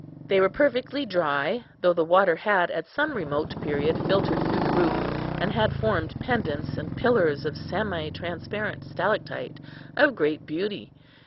They were perfectly dry, though the water had at some remote period filtered through the roof, and had formed pendants and pillars of semi transparent stalactite, of great beauty.